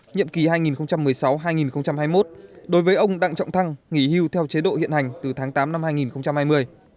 nhiệm kỳ hai nghìn một mươi sáu hai nghìn hai mươi một đối với ông đặng trọng thăng nghỉ hưu theo chế độ hiện hành từ tháng tám năm hai nghìn hai mươi